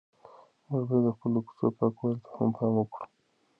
موږ باید د خپلو کوڅو پاکوالي ته هم پام وکړو.